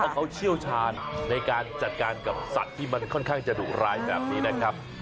เขาเชี่ยวชาญในการจัดการกับสัตว์ที่มันค่อนข้างจะดุร้ายแบบนี้นะครับ